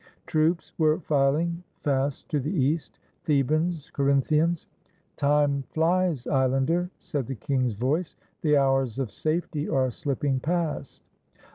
Troops were filing fast to the east — Thebans, Co rinthians. ''Time flies, islander," said the king's voice. "The hours of safety are slipping past."